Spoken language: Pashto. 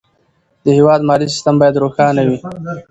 د هېواد مالي سیستم باید روښانه وي.